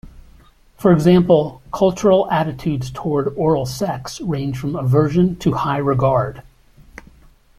For example, cultural attitudes toward oral sex range from aversion to high regard.